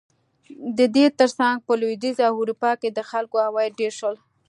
د دې ترڅنګ په لوېدیځه اروپا کې د خلکو عواید ډېر شول.